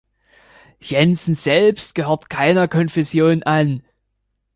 Jensen selbst gehörte keiner Konfession an.